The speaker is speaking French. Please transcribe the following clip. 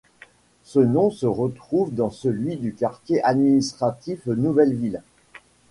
Ce nom se retrouve dans celui du quartier administratif Nouvelle Ville.